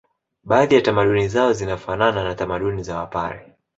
Baadhi ya tamaduni zao zinafanana na tamaduni za wapare